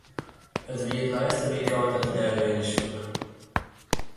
It wie it lêste wykein dat er dêr wenje soe.